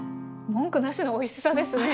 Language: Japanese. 文句なしのおいしさですね。